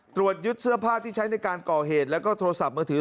ตรวจยึดเสื้อผ้าที่ใช้ในการก่อเหตุแล้วก็โทรศัพท์มือถือ